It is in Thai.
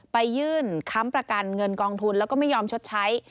ไปยื่นค้ำประกันเงินกองทุนแล้วก็ไม่ยอมชดใช้